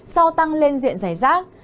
sau tăng lên diện giải rác